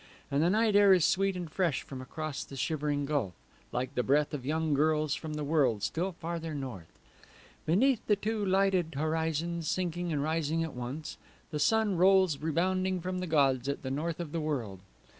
And the night air is sweet and fresh from across the shivering gulf, Like the breath of young girls from the world still farther north. Beneath the two lighted horizons, sinking and rising at once, The sun rolls rebounding from the gods at the north of the world.